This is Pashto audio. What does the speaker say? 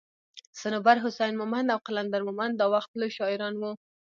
صنوبر حسين مومند او قلندر مومند دا وخت لوي شاعران وو